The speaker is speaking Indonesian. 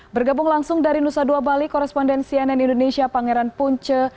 bergabung langsung dari nusa dua bali koresponden cnn indonesia pangeran punce